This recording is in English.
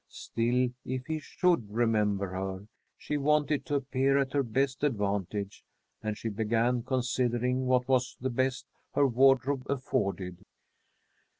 Still, if he should remember her, she wanted to appear at her best advantage, and she began considering what was the best her wardrobe afforded.